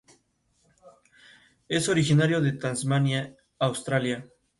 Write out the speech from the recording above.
Ha participado en conferencias y seminarios, tanto como asistente como panelista.